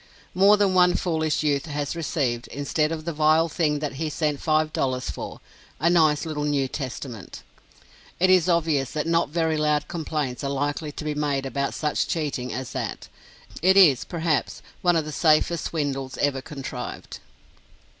More than one foolish youth has received, instead of the vile thing that he sent five dollars for, a nice little New Testament. It is obvious that no very loud complaints are likely to be made about such cheating as that. It is, perhaps, one of the safest swindles ever contrived.